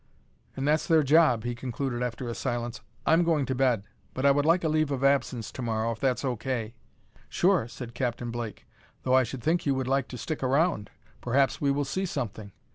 "And that's their job," he concluded after a silence. "I'm going to bed; but I would like a leave of absence to morrow if that's O. K." "Sure," said Captain Blake, "though I should think you would like to stick around. Perhaps we will see something.